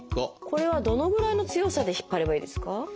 これはどのぐらいの強さで引っ張ればいいですか？